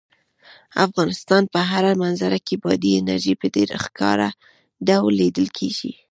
د افغانستان په هره منظره کې بادي انرژي په ډېر ښکاره ډول لیدل کېږي.